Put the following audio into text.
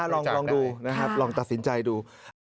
ลองดูนะครับลองตัดสินใจดู